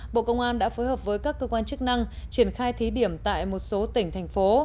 bộ công an đã phối hợp với các cơ quan chức năng triển khai thí điểm tại một số tỉnh thành phố